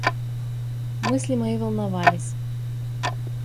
Мысли мои волновались.